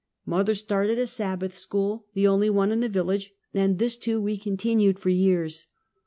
Mother started a Sabbath School, the only one in the village, and this, too, we continued for years.